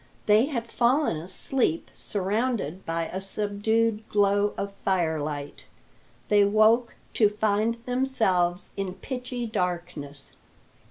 They had fallen asleep surrounded by a subdued glow of firelight; they woke to find themselves in pitchy darkness.